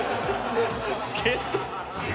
スケート。